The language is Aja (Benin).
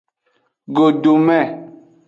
Godome.